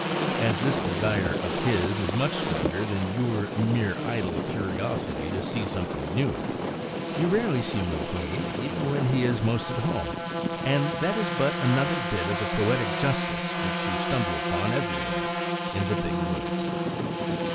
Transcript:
As this desire of his is much stronger than your mere idle curiosity to see something new, you rarely see Mooween even where he is most at home. And that is but another bit of the poetic justice which you stumble upon everywhere in the big woods.